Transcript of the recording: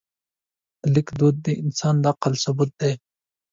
د لیک دود د انسان د عقل ثبوت دی.